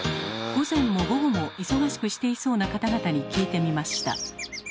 午前も午後も忙しくしていそうな方々に聞いてみました。